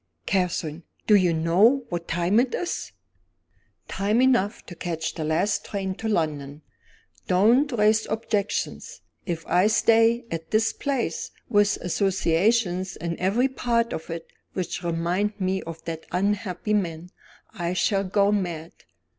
"Catherine! do you know what time it is?" "Time enough to catch the last train to London. Don't raise objections! If I stay at this place, with associations in every part of it which remind me of that unhappy man, I shall go mad!